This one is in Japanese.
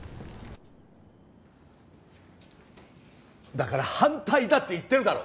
だから反対だって言ってるだろ！